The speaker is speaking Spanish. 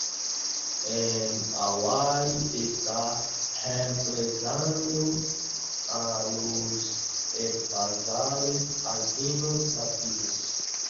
En Hawái está reemplazando a los herbazales alpinos nativos.